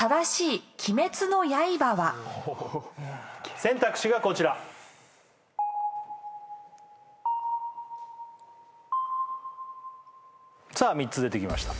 おお選択肢がこちらさあ３つ出てきました